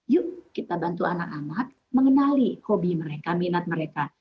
yuk kita bantu anak anak mengenali hobi mereka minat mereka